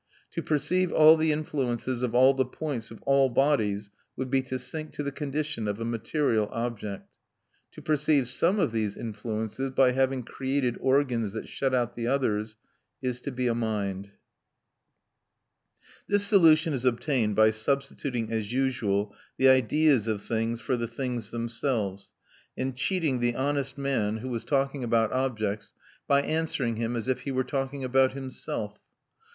"To perceive all the influences of all the points of all bodies would be to sink to the condition of a material object." To perceive some of these influences, by having created organs that shut out the others, is to be a mind. [Footnote 4: Matière et Mémoire, p. 38.] This solution is obtained by substituting, as usual, the ideas of things for the things themselves and cheating the honest man who was talking about objects by answering him as if he were talking about himself.